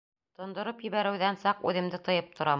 Тондороп ебәреүҙән саҡ үҙемде тыйып торам.